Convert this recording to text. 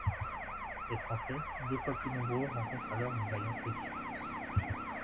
Les Français deux fois plus nombreux rencontrent alors une vaillante résistance.